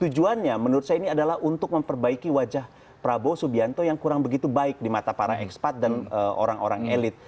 tujuannya menurut saya ini adalah untuk memperbaiki wajah prabowo subianto yang kurang begitu baik di mata para ekspat dan orang orang elit